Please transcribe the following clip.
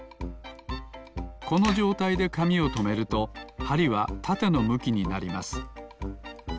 このじょうたいでかみをとめるとはりはたてのむきになります。